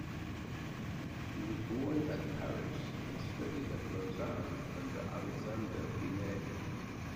He was born at Paris, and studied at Lausanne under Alexandre Vinet.